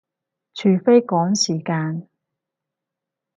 除非趕時間